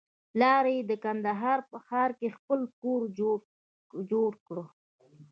پلار يې د کندهار په ښار کښې خپل کور جوړ کړى.